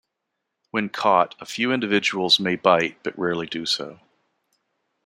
When caught, a few individuals may bite, but rarely do so.